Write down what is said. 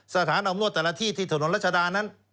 สถานอำนวดแต่ละที่ที่ถนนรัชดานั้น